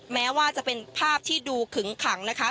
แม้ว่าจะเป็นภาพที่ดูขึงขังนะคะ